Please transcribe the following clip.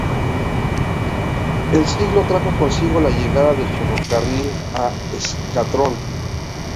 El siglo trajo consigo la llegada del ferrocarril a Escatrón.